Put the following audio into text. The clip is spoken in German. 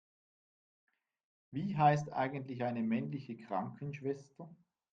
Wie heißt eigentlich eine männliche Krankenschwester?